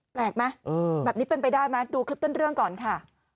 แปลกไหมแบบนี้เป็นไปได้ไหมดูคลิปต้นเรื่องก่อนค่ะ